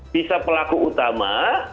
bisa pelaku utama